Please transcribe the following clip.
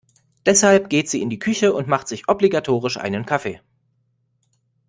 Deshalb geht sie in die Küche und macht sich obligatorisch einen Kaffee.